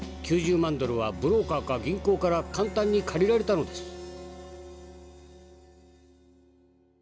９０万ドルはブローカーか銀行から簡単に借りられたのです」。